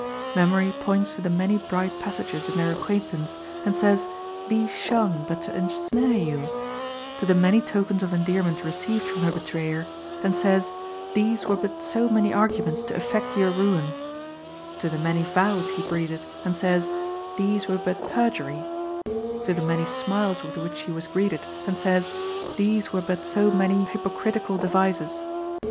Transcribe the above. Memory points to the many bright passages in their acquaintance, and says, these shone but to ensnare you; to the many tokens of endearment received from her betrayer, and says, these were but so many arguments to effect your ruin; to the many vows he breathed, and says, these were but perjury; to the many smiles with which she was greeted, and says, these were but so many hypocritical devices.